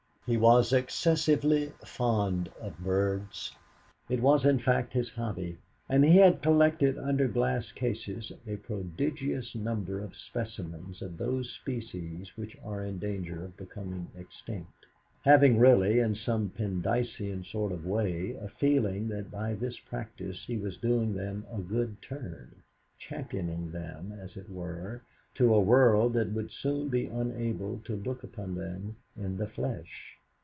He was excessively fond of birds it was, in fact, his hobby, and he had collected under glass cases a prodigious number of specimens of those species which are in danger of becoming extinct, having really, in some Pendycean sort of way, a feeling that by this practice he was doing them a good turn, championing them, as it were, to a world that would soon be unable to look upon them in the flesh.